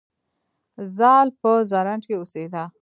زال په زرنج کې اوسیده